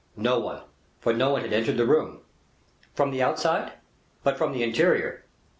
"No one; for no one had entered the room." "From the outside, but from the interior?"